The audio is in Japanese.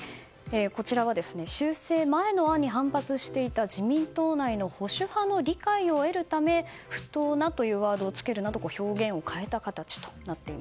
こちらは修正前の案に反発していた自民党内の保守派の理解を得るため「不当な」というワードをつけるなど表現を変えた形です。